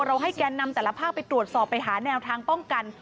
ให้แกนนำแต่ละภาคไปตรวจสอบไปหาแนวทางป้องกัน